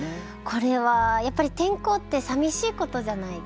これはやっぱり転校ってさみしいことじゃないですか。